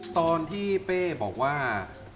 ตอนที่เป้บอกว่า